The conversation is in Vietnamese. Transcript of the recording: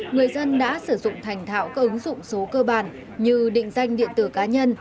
người dân đã sử dụng thành thạo các ứng dụng số cơ bản như định danh điện tử cá nhân